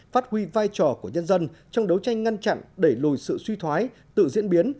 phát huy vai trò của nhân dân trong đấu tranh ngăn chặn đẩy lùi sự suy thoái tự diễn biến